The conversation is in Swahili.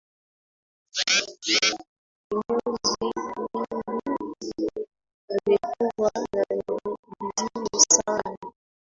Kinyozi yule amekuwa na bidii sana